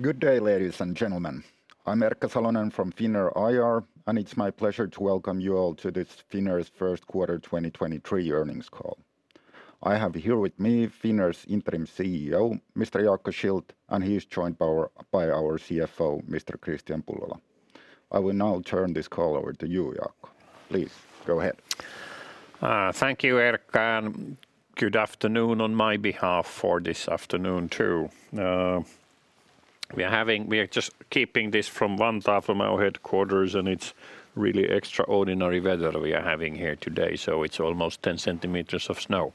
Good day, ladies and gentlemen. I'm Erkka Salonen from Finnair IR, and it's my pleasure to welcome you all to this Finnair's Q1 2023 earnings call. I have here with me Finnair's Interim CEO, Mr. Jaakko Schildt, and he is joined by our CFO, Mr. Kristian Pullola. I will now turn this call over to you, Jaakko. Please, go ahead. Thank you, Erkka. Good afternoon on my behalf for this afternoon too. We are just keeping this from the top of our headquarters, and it's really extraordinary weather we are having here today. It's almost 10 cm of snow,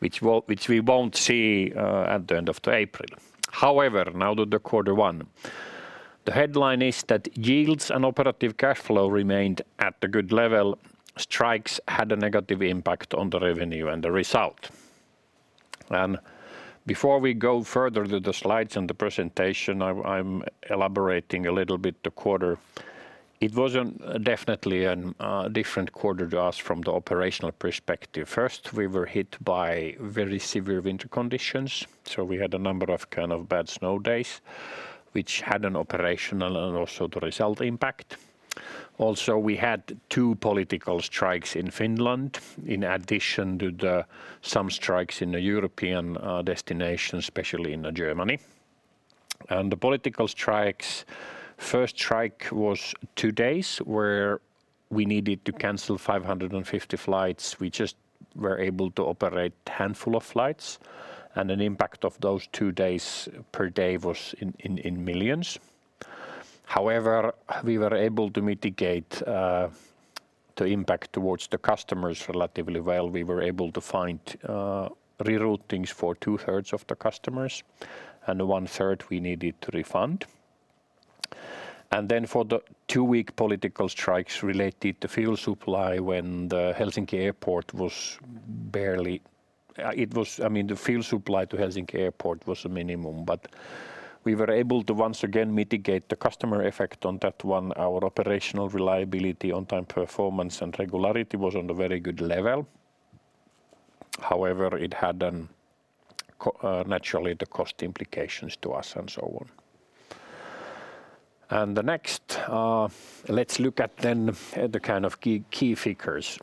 which we won't see at the end of April. However, now to Q1. The headline is that yields and operating cash flow remained at a good level. Strikes had a negative impact on the revenue and the result. Before we go further to the slides and the presentation, I'm elaborating a little bit on the quarter. It was definitely a different quarter for us from the operational perspective. First, we were hit by very severe winter conditions. We had a number of kind of bad snow days, which had an operational and also results impact. Also, we had two political strikes in Finland, in addition to some strikes in the European destinations, especially in Germany. The political strikes, the first strike was two days, where we needed to cancel 550 flights. We just were able to operate a handful of flights. The impact of those two days per day was in millions. However, we were able to mitigate the impact towards the customers relatively well. We were able to find reroutings for two-thirds of the customers. One-third we needed to refund. Then for the two-week political strikes related to fuel supply, when the Helsinki Airport was barely... I mean, the fuel supply to Helsinki Airport was a minimum. But we were able to once again mitigate the customer effect on that one. Our operational reliability, on-time performance, and regularity was on a very good level. However, it had naturally the cost implications to us and so on. The next, let's look at then the kind of key figures.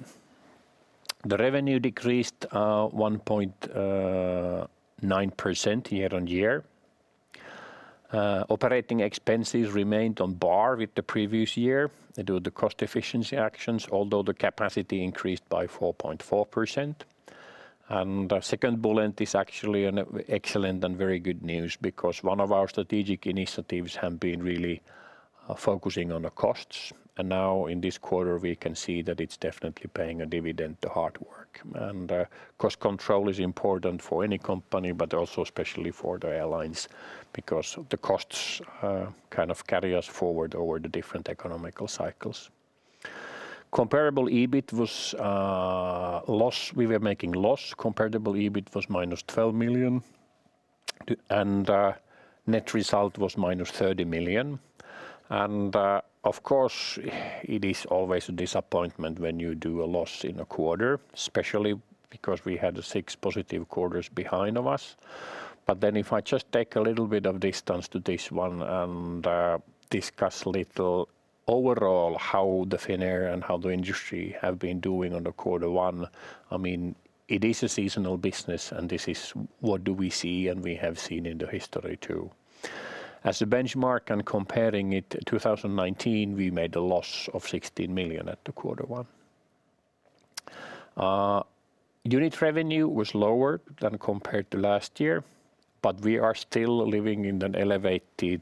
The revenue decreased 1.9% year-on-year. Operating expenses remained on par with the previous year due to the cost efficiency actions, although the capacity increased by 4.4%. The second bullet is actually excellent and very good news because one of our strategic initiatives has been really focusing on the costs. And now in this quarter, we can see that it's definitely paying a dividend to hard work. Cost control is important for any company, but also especially for the airlines because the costs kind of carry us forward over the different economic cycles. Comparable EBIT was loss. We were making loss. Comparable EBIT was -12 million. Net result was -30 million. Of course, it is always a disappointment when you do a loss in a quarter, especially because we had 6 positive quarters behind us. But then if I just take a little bit of distance to this one and discuss a little overall how Finnair and how the industry have been doing on Q1, I mean, it is a seasonal business and this is what do we see and we have seen in the history too. As a benchmark and comparing it, in 2019, we made a loss of 16 million at Q1. Unit revenue was lower than compared to last year. But we are still living in an elevated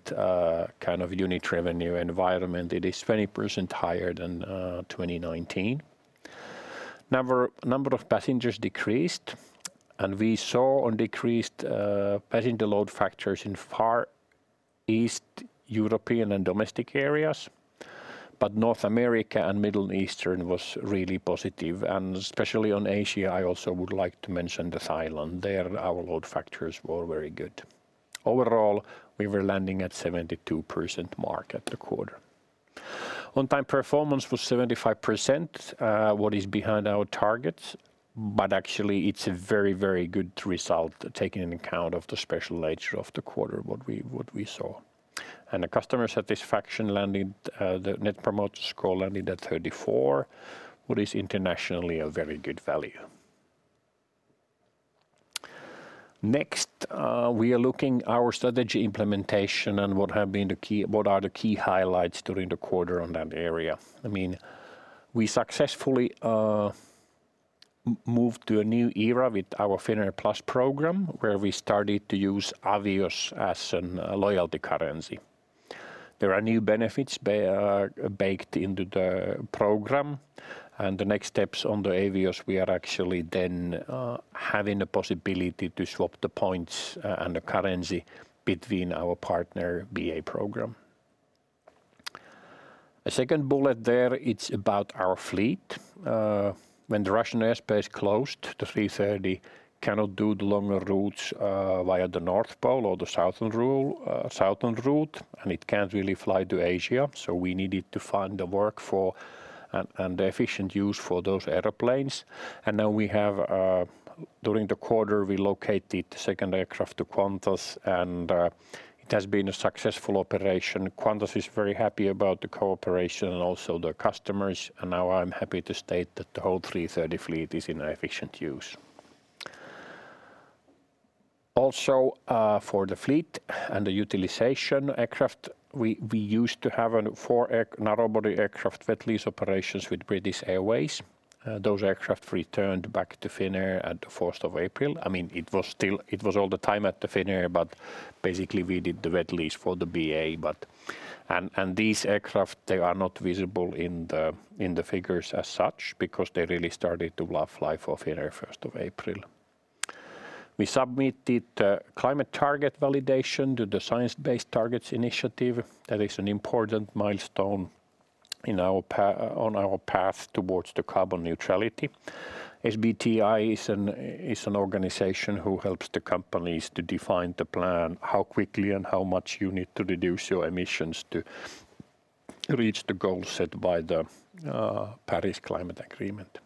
kind of unit revenue environment. It is 20% higher than 2019. The number of passengers decreased. And we saw a decrease in passenger load factors in far East European and domestic areas. But North America and Middle East was really positive. And especially on Asia, I also would like to mention Thailand. There, our load factors were very good. Overall, we were landing at a 72% mark at the quarter. On-time performance was 75%, what is behind our targets. But actually, it's a very, very good result taking into account the special nature of the quarter, what we saw. And the customer satisfaction landed, the Net Promoter Score landed at 34, which is internationally a very good value. Next, we are looking at our strategy implementation and what have been the key, what are the key highlights during the quarter on that area. I mean, we successfully moved to a new era with our Finnair Plus program, where we started to use Avios as a loyalty currency. There are new benefits baked into the program. The next steps on the Avios, we are actually then having the possibility to swap the points and the currency between our partner BA program. The second bullet there, it's about our fleet. When the Russian airspace closed, A330, we cannot do the longer routes via the North Pole or the southern route. And it can't really fly to Asia. So we needed to find a workaround and the efficient use for those airplanes. And now we have, during the quarter, we located the second aircraft to Qantas. And it has been a successful operation. Qantas is very happy about the cooperation and also the customers. And now I'm happy to state that the whole A330 fleet is in efficient use. Also, for the fleet and the utilization aircraft, we used to have four narrowbody aircraft wet lease operations with British Airways. Those aircraft returned back to Finnair at the first of April. I mean, it was still, it was all the time at Finnair, but basically we did the wet lease for the BA. These aircraft, they are not visible in the figures as such because they really started to fly for Finnair 1st of April. We submitted climate target validation to the Science Based Targets initiative. That is an important milestone on our path towards carbon neutrality. SBTI is an organization who helps the companies to define the plan, how quickly and how much you need to reduce your emissions to reach the goal set by the Paris Climate Agreement.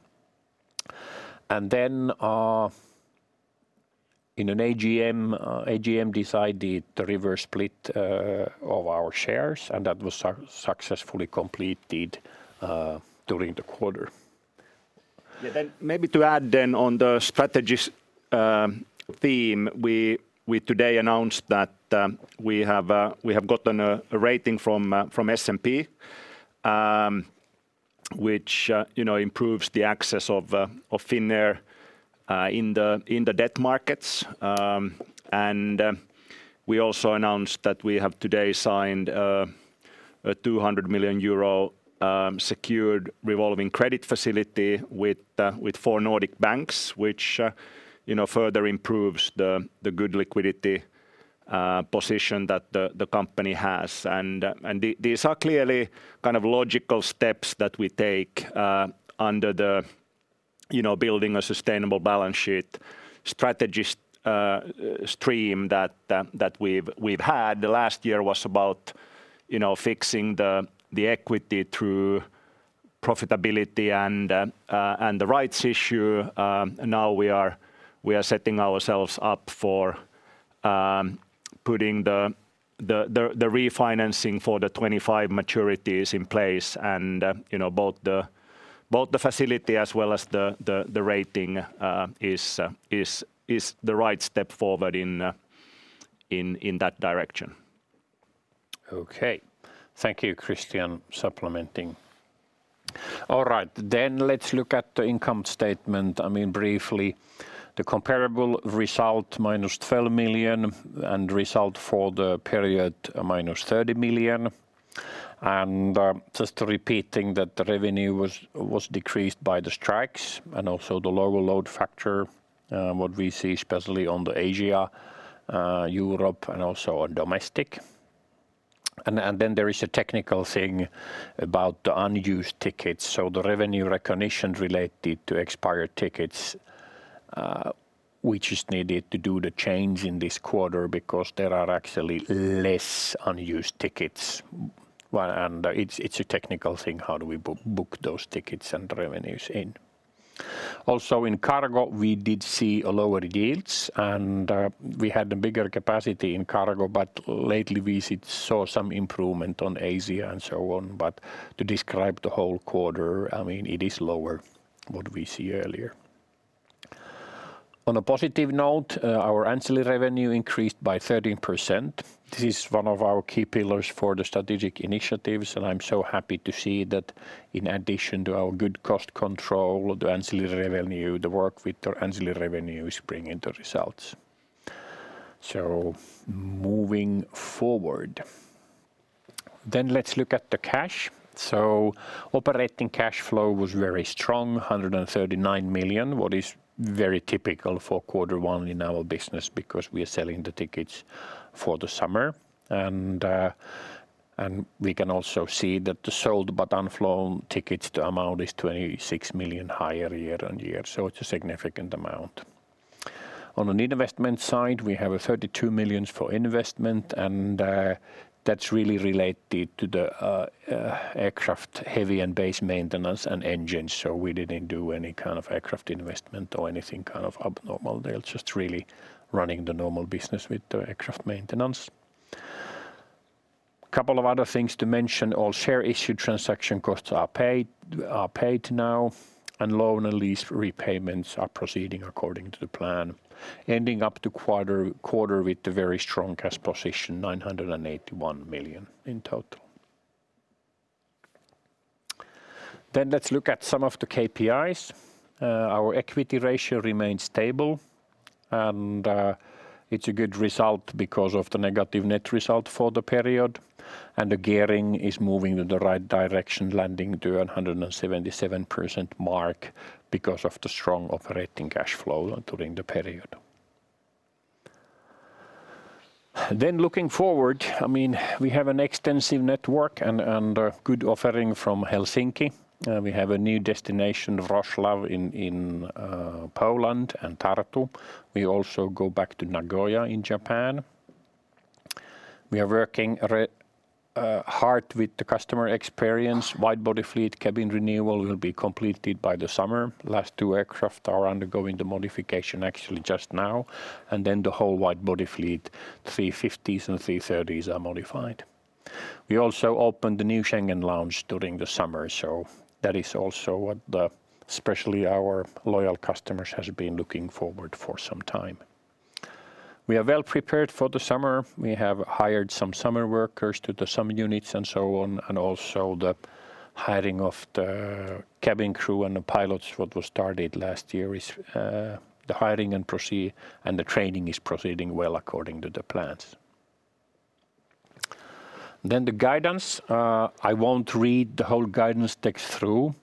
Then in an AGM, AGM decided to reverse split of our shares. That was successfully completed during the quarter. Yeah, then maybe to add then on the strategy theme, we today announced that we have gotten a rating from S&P, which improves the access of Finnair in the debt markets. We also announced that we have today signed a 200 million euro secured revolving credit facility with four Nordic banks, which further improves the good liquidity position that the company has. These are clearly kind of logical steps that we take under the building a sustainable balance sheet strategy stream that we've had. The last year was about fixing the equity through profitability and the rights issue. Now we are setting ourselves up for putting the refinancing for the 2025 maturities in place. Both the facility as well as the rating is the right step forward in that direction. Okay. Thank you, Kristian, for supplementing. All right, then let's look at the income statement. I mean, briefly, the comparable result minus 12 million and result for the period minus 30 million. Just repeating that the revenue was decreased by the strikes and also the lower load factor, what we see especially on Asia, Europe, and also on domestic. Then there is a technical thing about the unused tickets. So the revenue recognition related to expired tickets, which is needed to do the change in this quarter because there are actually less unused tickets. And it's a technical thing, how do we book those tickets and revenues in. Also, in cargo, we did see lower yields. And we had a bigger capacity in cargo, but lately we saw some improvement on Asia and so on. But to describe the whole quarter, I mean, it is lower than what we see earlier. On a positive note, our ancillary revenue increased by 13%. This is one of our key pillars for the strategic initiatives. And I'm so happy to see that in addition to our good cost control, the ancillary revenue, the work with the ancillary revenue is bringing the results. So moving forward. Then let's look at the cash. So operating cash flow was very strong, 139 million, what is very typical for Q1 in our business because we are selling the tickets for the summer. And we can also see that the sold but unflown tickets, the amount is 26 million higher year-on-year. So it's a significant amount. On an investment side, we have 32 million for investment. And that's really related to the aircraft heavy and base maintenance and engines. So we didn't do any kind of aircraft investment or anything kind of abnormal. They're just really running the normal business with the aircraft maintenance. A couple of other things to mention. All share issued transaction costs are paid now. And loan and lease repayments are proceeding according to the plan, ending up the quarter with the very strong cash position, 981 million in total. Then let's look at some of the KPIs. Our equity ratio remains stable. And it's a good result because of the negative net result for the period. And the gearing is moving in the right direction, landing at the 177% mark because of the strong operating cash flow during the period. Then looking forward, I mean, we have an extensive network and good offering from Helsinki. We have a new destination, Wrocław, in Poland and Tartu. We also go back to Nagoya in Japan. We are working hard with the customer experience. The widebody fleet cabin renewal will be completed by the summer. The last 2 aircraft are undergoing the modification actually just now. And then the whole widebody fleet, 350s and 330s, are modified. We also opened the new Schengen lounge during the summer. So that is also what especially our loyal customers have been looking forward to for some time. We are well prepared for the summer. We have hired some summer workers to the summer units and so on. And also the hiring of the cabin crew and the pilots, what was started last year, is the hiring and the training is proceeding well according to the plans. Then the guidance. I won't read the whole guidance text through.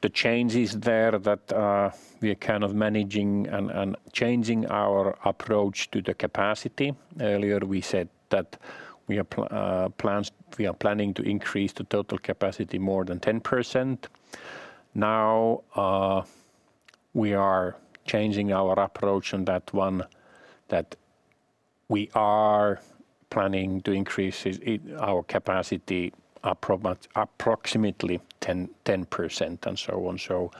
The change is there that we are kind of managing and changing our approach to the capacity. Earlier we said that we are planning to increase the total capacity more than 10%. Now we are changing our approach on that one. That we are planning to increase our capacity approximately 10% and so on. So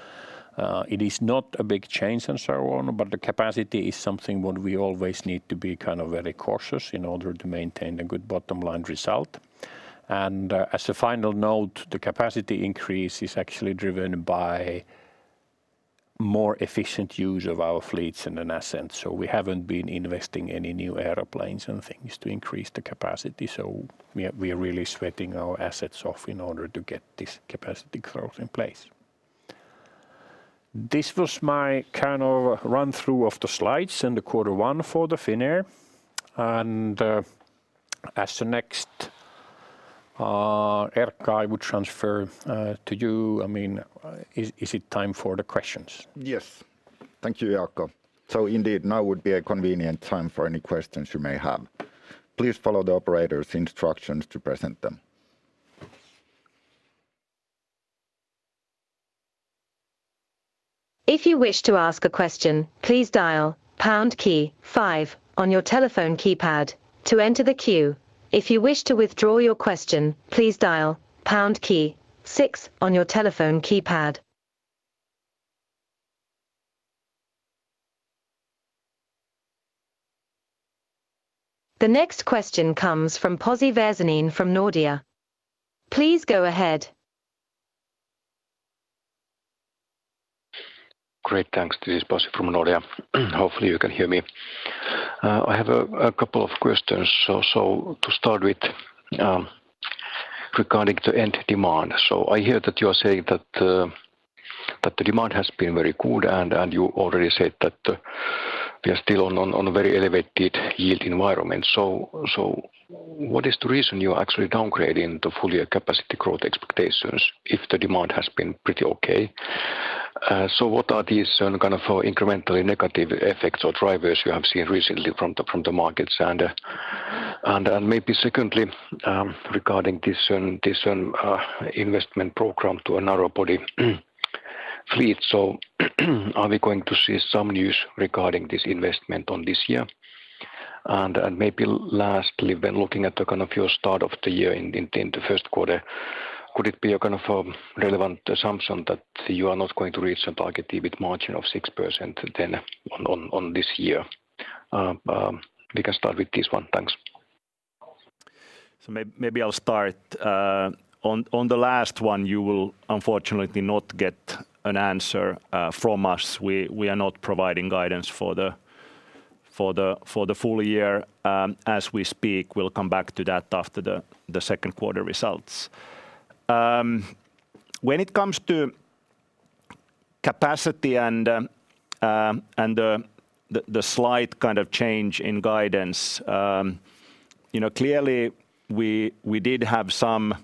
it is not a big change and so on, but the capacity is something what we always need to be kind of very cautious in order to maintain a good bottom line result. And as a final note, the capacity increase is actually driven by more efficient use of our fleets in an essence. So we haven't been investing in any new airplanes and things to increase the capacity. So we are really sweating our assets off in order to get this capacity growth in place. This was my kind of run-through of the slides and Q1 for Finnair. And as the next Erkka, I would transfer to you. I mean, is it time for the questions? Yes. Thank you, Jaakko. So indeed, now would be a convenient time for any questions you may have. Please follow the operator's instructions to present them. If you wish to ask a question, please dial pound key five on your telephone keypad to enter the queue. If you wish to withdraw your question, please dial pound key six on your telephone keypad. The next question comes from Pasi Väisänen from Nordea. Please go ahead. Great, thanks. This is Pasi from Nordea. Hopefully, you can hear me. I have a couple of questions. So to start with, regarding the end demand. So I hear that you are saying that the demand has been very good. And you already said that we are still on a very elevated yield environment. So what is the reason you are actually downgrading the full year capacity growth expectations if the demand has been pretty okay? So what are these kind of incrementally negative effects or drivers you have seen recently from the markets? And maybe secondly, regarding this investment program to a narrowbody fleet, so are we going to see some news regarding this investment on this year? And maybe lastly, then looking at the kind of your start of the year in the Q1, could it be a kind of relevant assumption that you are not going to reach a target with a margin of 6% then on this year? We can start with this one. Thanks. So maybe I'll start. On the last one, you will unfortunately not get an answer from us. We are not providing guidance for the full year as we speak. We'll come back to that after the Q2 results. When it comes to capacity and the slight kind of change in guidance, clearly we did have some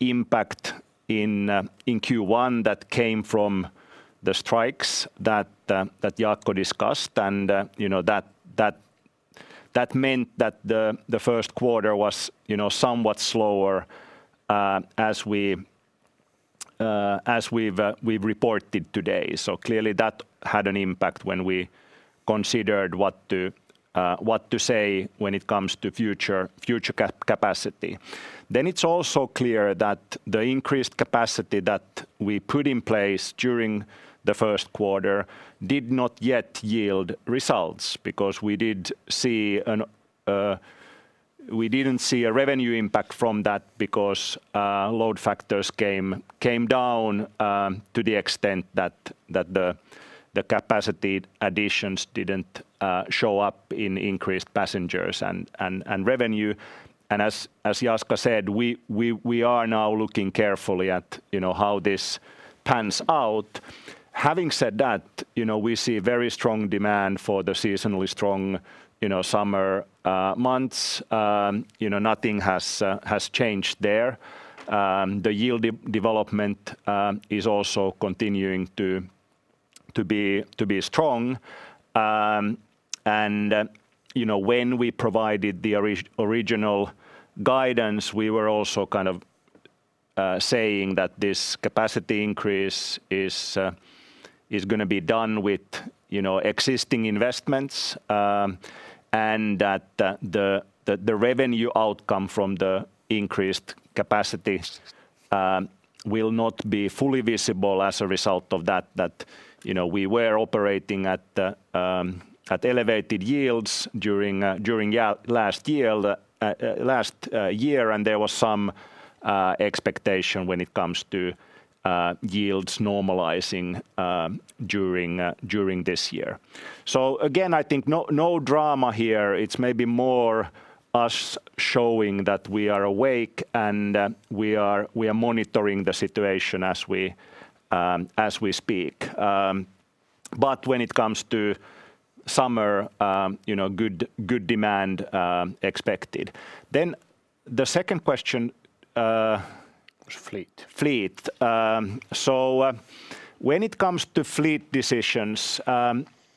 impact in Q1 that came from the strikes that Jaakko discussed. And that meant that the Q1 was somewhat slower as we've reported today. So clearly that had an impact when we considered what to say when it comes to future capacity. Then it's also clear that the increased capacity that we put in place during the Q1 did not yet yield results because we didn't see a revenue impact from that because load factors came down to the extent that the capacity additions didn't show up in increased passengers and revenue. And as Jaska said, we are now looking carefully at how this pans out. Having said that, we see very strong demand for the seasonally strong summer months. Nothing has changed there. The yield development is also continuing to be strong. And when we provided the original guidance, we were also kind of saying that this capacity increase is going to be done with existing investments and that the revenue outcome from the increased capacity will not be fully visible as a result of that. That we were operating at elevated yields during last year. There was some expectation when it comes to yields normalizing during this year. Again, I think no drama here. It's maybe more us showing that we are awake and we are monitoring the situation as we speak. But when it comes to summer, good demand expected. The second question... Fleet. Fleet. So when it comes to fleet decisions,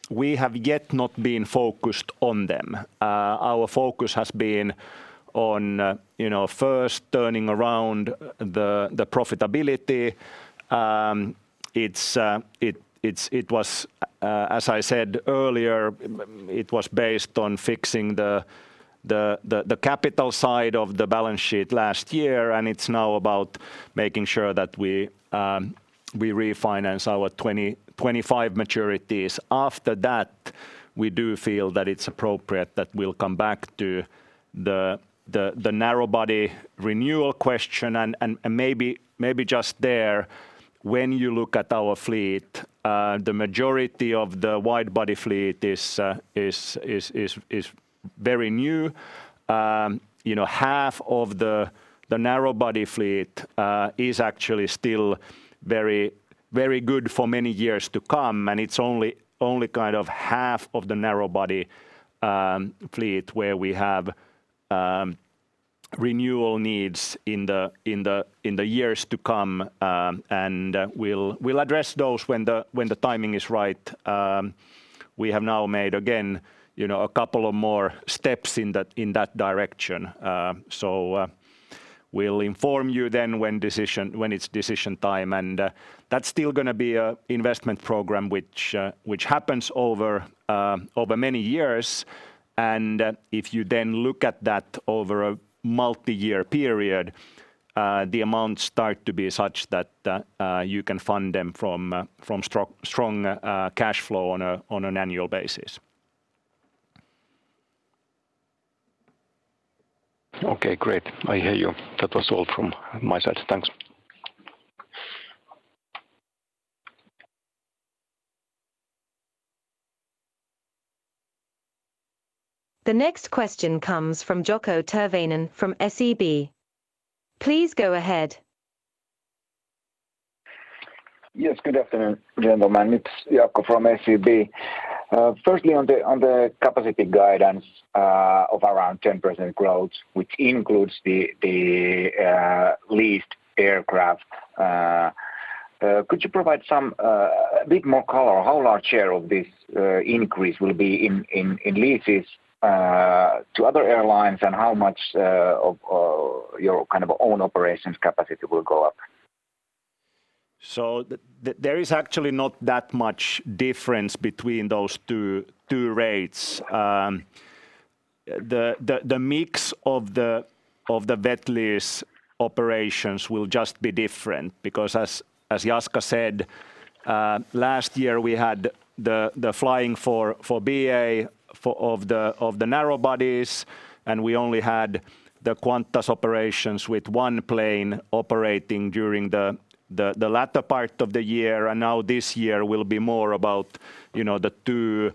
we have yet not been focused on them. Our focus has been on first turning around the profitability. It was, as I said earlier, it was based on fixing the capital side of the balance sheet last year. It's now about making sure that we refinance our 25 maturities. After that, we do feel that it's appropriate that we'll come back to the narrowbody renewal question. And maybe just there, when you look at our fleet, the majority of the widebody fleet is very new. Half of the narrowbody fleet is actually still very good for many years to come. It's only kind of half of the narrowbody fleet where we have renewal needs in the years to come. We'll address those when the timing is right. We have now made again a couple of more steps in that direction. So we'll inform you then when it's decision time. And that's still going to be an investment program which happens over many years. And if you then look at that over a multi-year period, the amounts start to be such that you can fund them from strong cash flow on an annual basis. Okay, great. I hear you. That was all from my side. Thanks. The next question comes from Jaakko Tyrväinen from SEB. Please go ahead. Yes, good afternoon, gentlemen. It's Jaakko from SEB. Firstly, on the capacity guidance of around 10% growth, which includes the leased aircraft, could you provide a bit more color? How large share of this increase will be in leases to other airlines and how much of your kind of own operations capacity will go up? So there is actually not that much difference between those two rates. The mix of the wet lease operations will just be different because, as Jaska said, last year we had the flying for BA of the narrowbodies. And we only had the Qantas operations with one plane operating during the latter part of the year. And now this year will be more about the two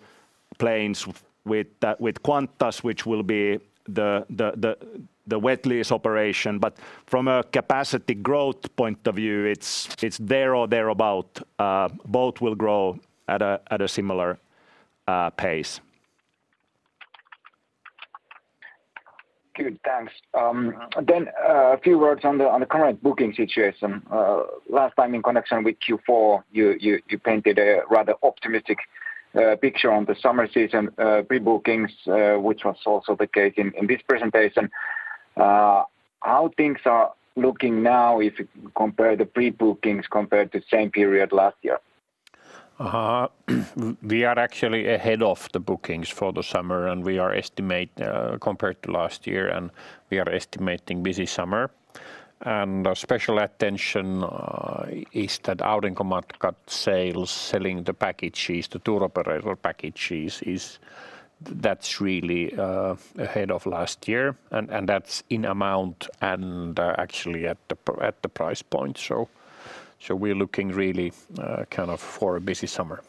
planes with Qantas, which will be the wet lease operation. But from a capacity growth point of view, it's there or thereabouts. Both will grow at a similar pace. Good. Thanks. Then a few words on the current booking situation. Last time in connection with Q4, you painted a rather optimistic picture on the summer season pre-bookings, which was also the case in this presentation. How things are looking now if you compare the pre-bookings compared to the same period last year? We are actually ahead of the bookings for the summer. We are estimating compared to last year. We are estimating busy summer. Special attention is that Aurinkomatkat selling the tour operator packages, that's really ahead of last year. That's in amount and actually at the price point. So we're looking really kind of for a busy summer.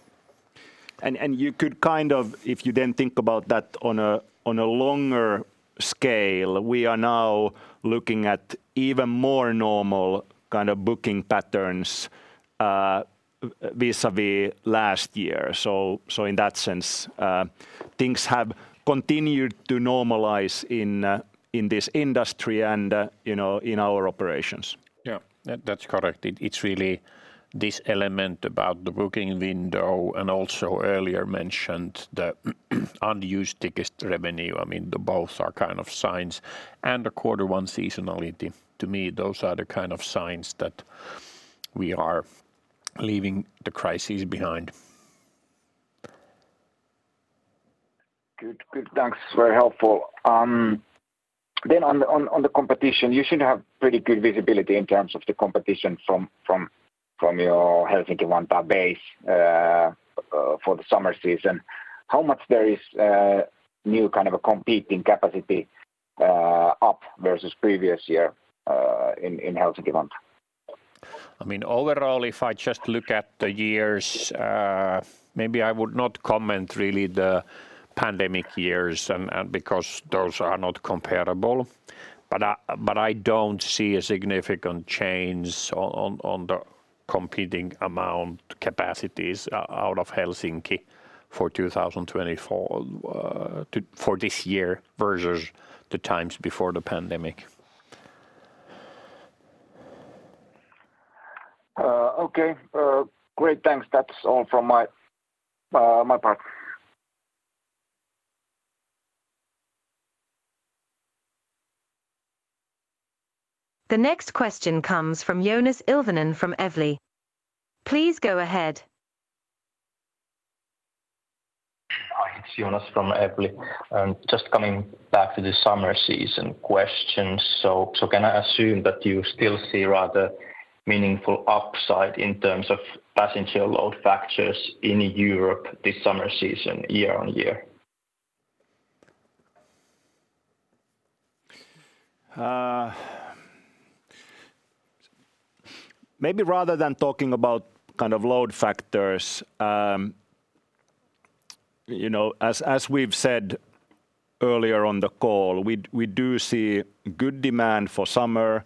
And you could kind of, if you then think about that on a longer scale, we are now looking at even more normal kind of booking patterns vis-à-vis last year. So in that sense, things have continued to normalize in this industry and in our operations. Yeah, that's correct. It's really this element about the booking window and also earlier mentioned the unused ticket revenue. I mean, both are kind of signs. And the Q1 seasonality. To me, those are the kind of signs that we are leaving the crises behind. Good. Thanks. Very helpful. Then on the competition, you should have pretty good visibility in terms of the competition from your Helsinki-Vantaa base for the summer season. How much there is new kind of competing capacity up versus previous year in Helsinki-Vantaa? I mean, overall, if I just look at the years, maybe I would not comment really the pandemic years because those are not comparable. But I don't see a significant change on the competing amount capacities out of Helsinki for 2024 for this year versus the times before the pandemic. Okay. Great. Thanks. That's all from my part. The next question comes from Joonas Ilvonen from Evli. Please go ahead. Hi, it's Joonas from Evli. Just coming back to the summer season questions. So can I assume that you still see rather meaningful upside in terms of passenger load factors in Europe this summer season, year on year? Maybe rather than talking about kind of load factors, as we've said earlier on the call, we do see good demand for summer.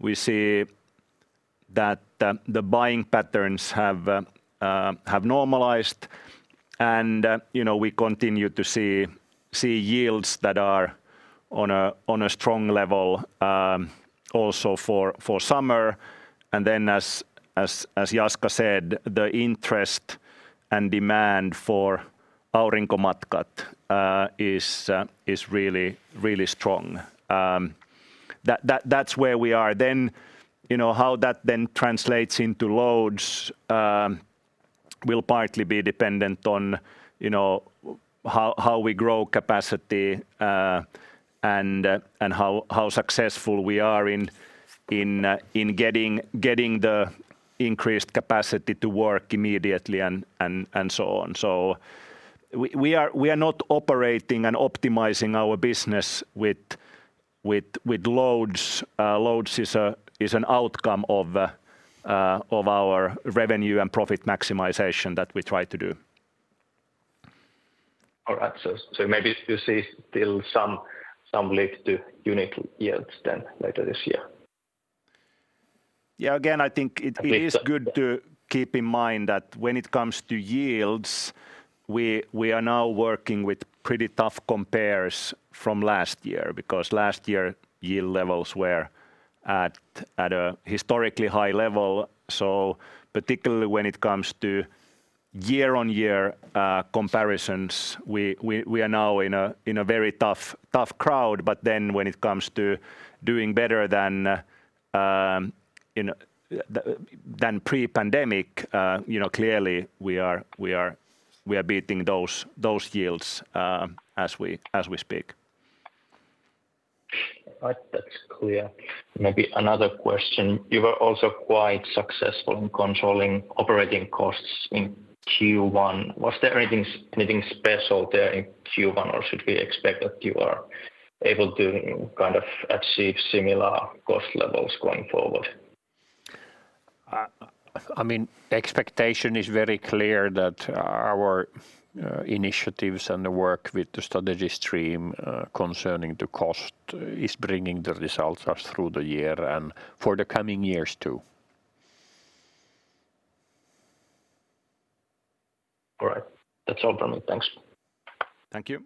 We see that the buying patterns have normalized. And we continue to see yields that are on a strong level also for summer. And then, as Jaska said, the interest and demand for Aurinkomatkat is really strong. That's where we are. Then how that then translates into loads will partly be dependent on how we grow capacity and how successful we are in getting the increased capacity to work immediately and so on. So we are not operating and optimizing our business with loads. Loads is an outcome of our revenue and profit maximization that we try to do. All right. Maybe you see still some lead to unique yields then later this year? Yeah, again, I think it is good to keep in mind that when it comes to yields, we are now working with pretty tough compares from last year because last year yield levels were at a historically high level. So particularly when it comes to year-on-year comparisons, we are now in a very tough crowd. But then when it comes to doing better than pre-pandemic, clearly we are beating those yields as we speak. That's clear. Maybe another question. You were also quite successful in controlling operating costs in Q1. Was there anything special there in Q1 or should we expect that you are able to kind of achieve similar cost levels going forward? I mean, expectation is very clear that our initiatives and the work with the strategy stream concerning the cost is bringing the results us through the year and for the coming years too. All right. That's all from me. Thanks. Thank you.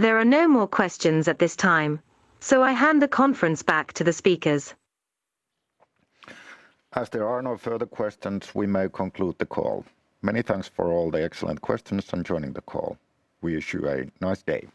There are no more questions at this time. So I hand the conference back to the speakers. As there are no further questions, we may conclude the call. Many thanks for all the excellent questions and joining the call. We wish you a nice day.